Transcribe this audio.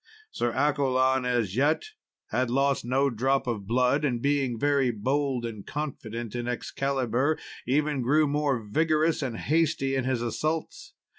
Sir Accolon, as yet, had lost no drop of blood, and being very bold and confident in Excalibur, even grew more vigorous and hasty in his assaults.